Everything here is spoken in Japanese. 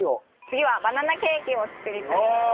次はバナナケーキを作りたいなと。